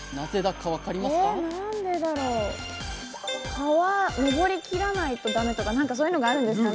川上りきらないと駄目とか何かそういうのがあるんですかね？